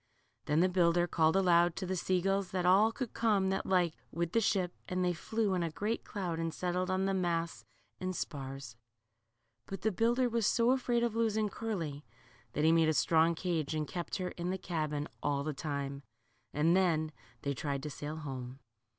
Then the builder called aloud to the sea gulls that all could come that liked, with the ship, and they flew in a great cloud and settled on the masts and spars. But the builder was so afraid of losing Curly, that he made a strong cage, and kept her in the cahin all the time. And then they tried to sail home.